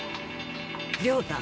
良太！